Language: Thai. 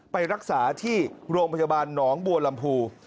ไปรักษาที่โรงพยาบาลหนองบัวลำพู